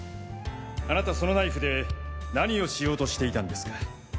あなたそのナイフで何をしようとしていたんですか？